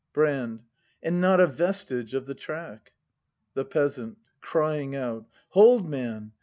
Brand., And not a vestige of the track. The Peasant. [Crying out.] Hold, man!